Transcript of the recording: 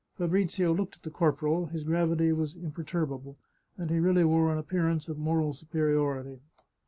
Fabrizio looked at the corporal ; his gravity was imper turbable, and he really wore an appearance of moral supe riority.